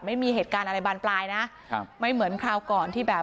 ไม่มีเหตุการณ์อะไรบานปลายนะครับไม่เหมือนคราวก่อนที่แบบ